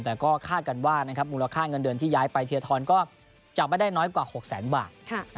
แต่ก็คาดกันว่ามูลค่าเงินเดือนที่ย้ายไปเทียทรก็จะไม่ได้น้อยกว่า๖แสนบาท